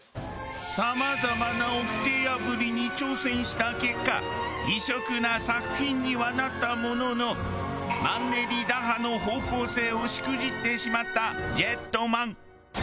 様々なおきて破りに挑戦した結果異色な作品にはなったもののマンネリ打破の方向性をしくじってしまった『ジェットマン』。